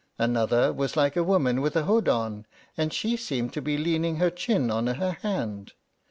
Another was like a woman with a hood on, and she seemed to be leaning her chin on her hand.